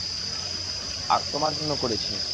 আর তোমার জন্য করেছে।